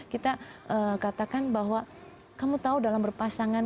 kita katakan bahwa kamu tahu dalam berpasangan